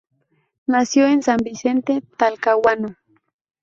Nació en San Vicente, Talcahuano.